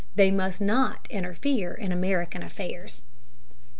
They must not interfere in American affairs.